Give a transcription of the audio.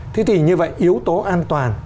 thế thì như vậy yếu tố an toàn